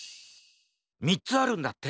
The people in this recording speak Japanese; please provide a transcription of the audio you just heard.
３つあるんだって！